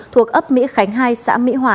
thuộc ấp mỹ khánh hai xã mỹ hòa